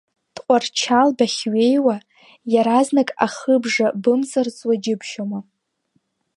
Тҟәарчал бахьҩеиуа, иаразнак ахыбжа бымҵарҵауа џьыбшьома.